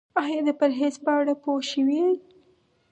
ایا د پرهیز په اړه پوه شوئ؟